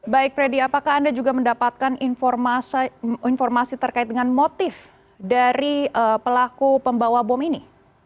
baik freddy apakah anda juga mendapatkan informasi terkait dengan motif dari pelaku pembawa bom ini